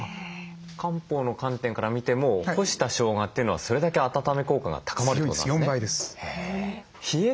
漢方の観点から見ても干したしょうがというのはそれだけ温め効果が高まるってことなんですね？